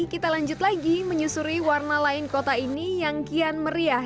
kita lanjut lagi menyusuri warna lain kota ini yang kian meriah